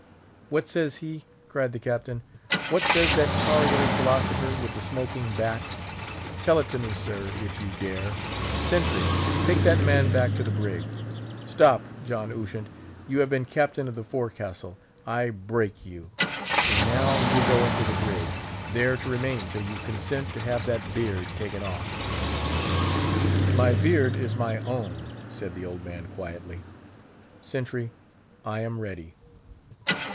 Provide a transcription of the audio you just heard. "What says he?" cried the Captain; "what says that tarry old philosopher with the smoking back? Tell it to me, sir, if you dare! Sentry, take that man back to the brig. Stop! John Ushant, you have been Captain of the Forecastle; I break you. And now you go into the brig, there to remain till you consent to have that beard taken off." "My beard is my own," said the old man, quietly. "Sentry, I am ready."